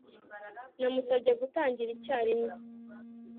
Namusabye gutangira icyarimwe